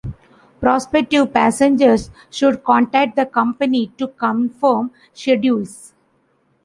Prospective passengers should contact the company to confirm schedules.